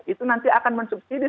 itu nanti akan mensubsidi